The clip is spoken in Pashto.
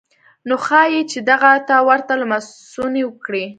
نو ښايي چې دغه ته ورته لمسونې وکړي.